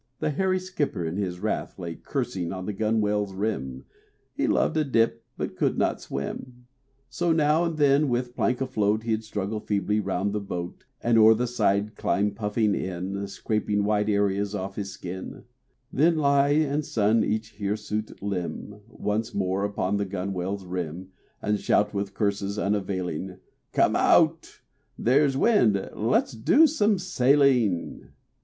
The hairy skipper in his wrath Lay cursing on the gunwale's rim: He loved a dip but could not swim; So, now and then with plank afloat He'd struggle feebly round the boat And o'er the side climb puffing in, Scraping wide areas off his skin, Then lie and sun each hirsute limb Once more upon the gunwale's rim And shout, with curses unavailing, "Come out! There's wind: let's do some sailing."